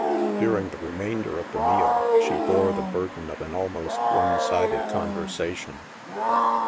During the remainder of the meal, she bore the burden of an almost one sided con versation.